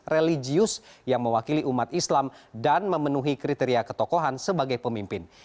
religius yang mewakili umat islam dan memenuhi kriteria ketokohan sebagai pemimpin